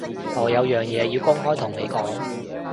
我有樣嘢要公開同你講